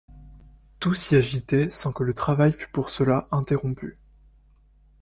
Tout s’y agitait sans que le travail fût pour cela interrompu.